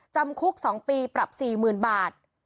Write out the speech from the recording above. จำคุก๒ปีปรับ๔๐๐๐บาท